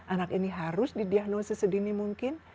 anak ini harus didiagnosis sedini mungkin